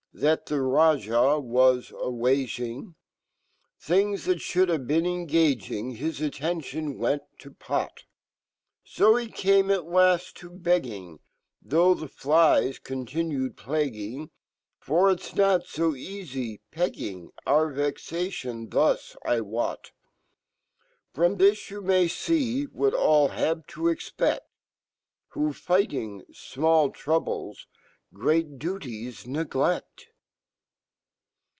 That fhe Raj ah was a waging, Things that fhould have been engaging Hif attention went to pot. So ho came at lafl to beting, Though fhe flies continued plaguing, v>t (o cafy pegging Out vexations Fromthi^youmay fee whataJl Kaveta expect,! \ \VhOjfightinsj frnall troubleJ, great duties negloct.